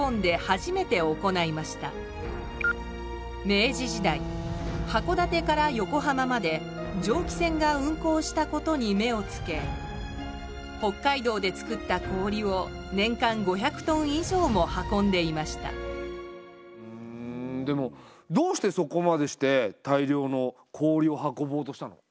明治時代函館から横浜まで蒸気船が運航したことに目をつけ北海道で作った氷を年間５００トン以上も運んでいましたうんでもどうしてそこまでして大量の氷を運ぼうとしたの？